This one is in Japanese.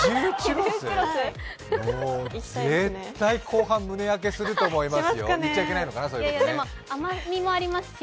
絶対後半胸焼けすると思いますよ。